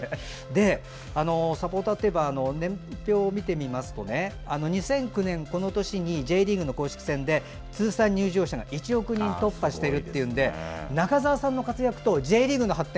サポーターといえば年表を見てみますとね２００９年、この年にＪリーグの公式戦で通算入場者が１億人を突破しているということで中澤さんの活躍とＪリーグの発展